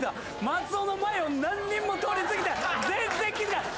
松尾の前を何人も通り過ぎて全然気付かない。